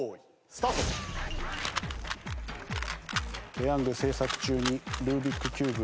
ペヤング制作中にルービックキューブ。